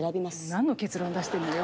何の結論出してんだよ。